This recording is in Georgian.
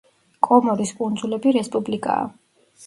კომორის კუნძულები რესპუბლიკაა.